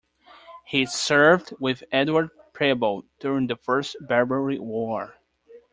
He served with Edward Preble during the First Barbary War.